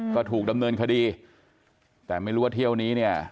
ก็ถูกดำเนินคดีแต่ไม่รู้ว่าเที่ยวนี้เนี่ย